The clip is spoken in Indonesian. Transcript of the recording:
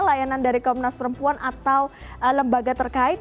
layanan dari komnas perempuan atau lembaga terkait